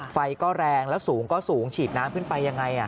ไฟก็แรงแล้วสูงก็สูงฉีดน้ำขึ้นไปยังไง